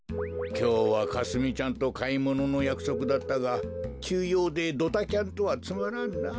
きょうはかすみちゃんとかいもののやくそくだったがきゅうようでドタキャンとはつまらんな。